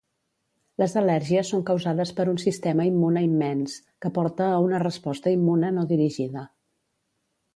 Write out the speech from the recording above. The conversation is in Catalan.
Les al·lèrgies són causades per un sistema immune immens, que porta a una resposta immune no dirigida.